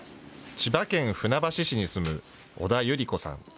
千葉県船橋市に住む織田友理子さん。